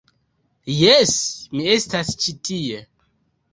Jes, mi estas ĉi tie